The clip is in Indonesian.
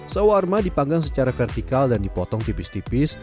sawarma dipanggang secara vertikal dan dipotong tipis tipis